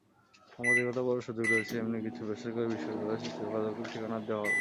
সাংবাদিকতা পড়ার সুযোগ রয়েছে এমনি কিছু বেসরকারি বিশ্ববিদ্যালয়ের যোগাযোগের ঠিকানা দেওয়া হলো।